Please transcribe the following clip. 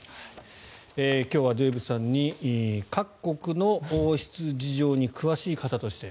今日はデーブさんに各国の王室事情に詳しい方として。